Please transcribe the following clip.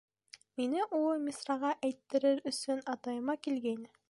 Мине улы Мисраға әйттерер өсөн атайыма килгәйне.